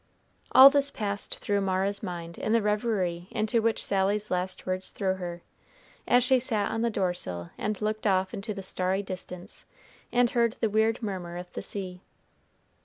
All this passed through Mara's mind in the reverie into which Sally's last words threw her, as she sat on the door sill and looked off into the starry distance and heard the weird murmur of the sea.